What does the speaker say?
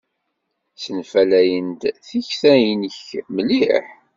Ssenfalay-d tikta-nnek mliḥ.